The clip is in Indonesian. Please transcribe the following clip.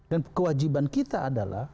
dan kewajiban kita adalah